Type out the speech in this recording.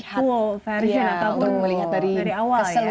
jadi ini untuk melihat dari awal ya